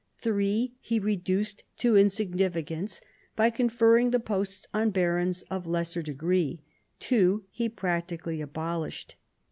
Three he reduced to insignifi cance by conferring the posts on barons of lesser degree : two he practically abolished.